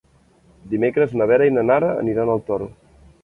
Dimecres na Vera i na Nara aniran al Toro.